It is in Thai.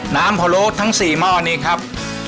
พะโล้ทั้ง๔หม้อนี้ครับ